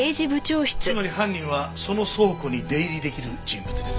つまり犯人はその倉庫に出入りできる人物です。